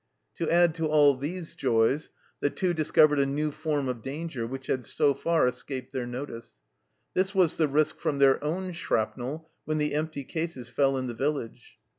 To add to all these joys, the Two discovered a new form of danger which had so far escaped their notice ; this was the risk from their own shrapnel when the empty cases fell in the village.